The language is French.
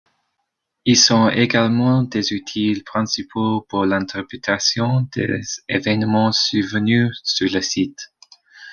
Ils sont également des outils principaux pour l'interprétation des événements survenus sur le site.